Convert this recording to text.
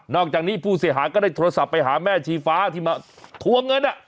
อกจากนี้ผู้เสียหายก็ได้โทรศัพท์ไปหาแม่ชีฟ้าที่มาทวงเงิน